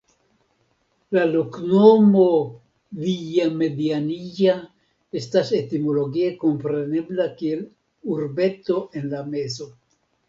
La loknomo "Villamedianilla" estas etimologie komprenebla kiel "Urbeto en la mezo".